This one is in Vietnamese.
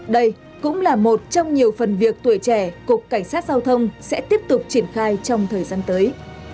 đây cũng là một trong nhiều phần việc tuổi trẻ cục cảnh sát giao thông sẽ tiếp tục triển khai trong thời gian tới